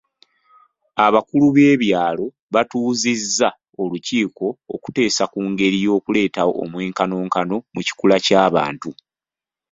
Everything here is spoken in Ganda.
Abakulu b'ekyalo batuuzizza olukiiko okuteesa ku ngeri y'okuleetawo omwenkanonkano mu kikula ky'abantu .